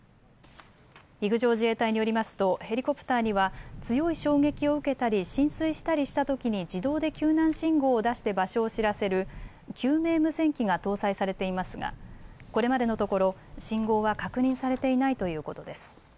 陸上自衛隊によりますとヘリコプターには強い衝撃を受けたり浸水したりしたときに自動で救難信号を出して場所を知らせる救命無線機が搭載されていますがこれまでのところ信号は確認されていないということです。